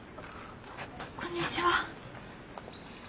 こんにちは。